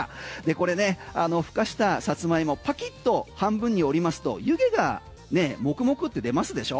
これね、蒸したサツマイモパキッと半分に折りますと湯気がもくもくって出ますでしょ。